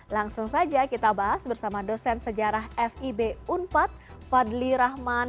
langsung saja kita bahas bersama dosen sejarah fib unpad fadli rahman